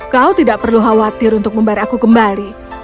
kau tidak perlu khawatir untuk membayar aku tuan zhao